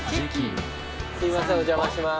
すいませんお邪魔します。